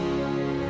jangan lupa pak